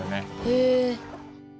へえ。